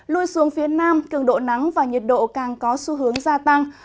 lui xuống phía nam cường độ nắng và nhiệt độ càng có xu hướng gia tăng